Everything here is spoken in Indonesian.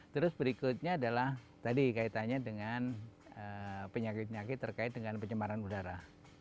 terus berikutnya adalah tadi kaitannya dengan penyakit penyakit terkait dengan pencemaran udara